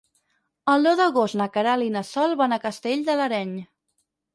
El deu d'agost na Queralt i na Sol van a Castell de l'Areny.